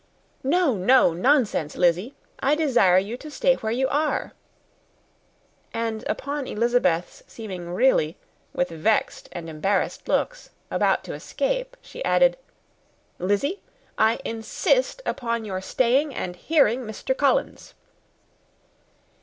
"No, no, nonsense, Lizzy. I desire you will stay where you are." And upon Elizabeth's seeming really, with vexed and embarrassed looks, about to escape, she added, "Lizzy, I insist upon your staying and hearing Mr. Collins."